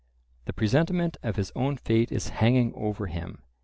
The presentiment of his own fate is hanging over him.